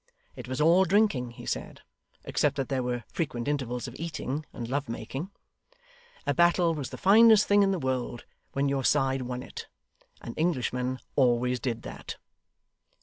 It was all drinking, he said, except that there were frequent intervals of eating and love making. A battle was the finest thing in the world when your side won it and Englishmen always did that.